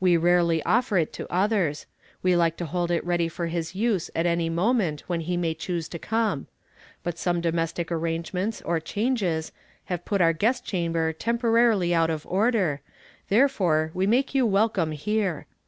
AVe rarely offer it to otheis ; we like to hold it ready for his use at any moment that he may choose to come ; but some domestic an angements, or changes, luive put our guest chand)er tempora rily out of order, therefore we make you welcome here.